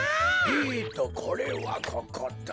えっとこれはここと。